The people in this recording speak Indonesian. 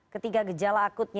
ketiga gejala akut